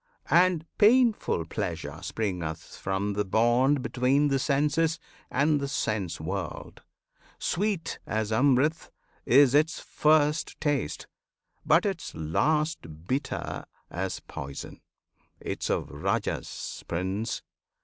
And painful Pleasure springeth from the bond Between the senses and the sense world. Sweet As Amrit is its first taste, but its last Bitter as poison. 'Tis of Rajas, Prince!